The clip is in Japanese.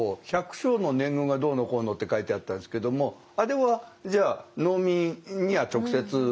百姓の年貢がどうのこうのって書いてあったんですけどもあれはじゃあ農民には直接？